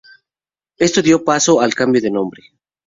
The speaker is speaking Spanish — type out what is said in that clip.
Esto dio paso al cambio de nombre.